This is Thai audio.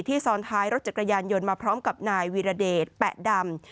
ซ้อนท้ายรถจักรยานยนต์มาพร้อมกับนายวีรเดชแปะดำ